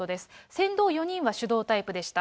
船頭４人は手動タイプでした。